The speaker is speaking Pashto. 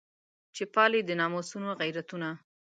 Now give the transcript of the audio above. چې پالي د ناموسونو غیرتونه.